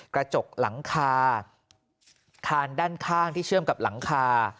กระจกหลังคาคานด้านข้างที่เชื่อมกับหลังคา